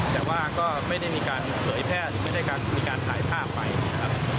แต่ว่าก็ไม่ได้มีการเผยแพร่ไม่ได้มีการถ่ายภาพไปนะครับ